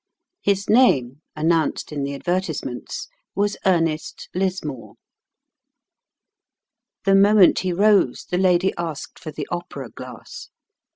His name (announced in the advertisements) was Ernest Lismore. The moment he rose the lady asked for the opera glass.